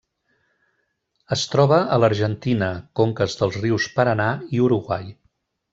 Es troba a l'Argentina: conques dels rius Paranà i Uruguai.